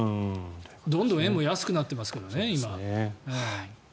どんどん円も安くなってますからね。